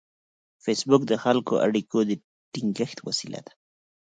فېسبوک د خلکو د اړیکو د ټینګښت وسیله ده